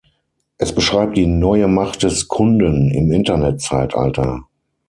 Es beschreibt die „neue Macht des Kunden“ im Internet-Zeitalter.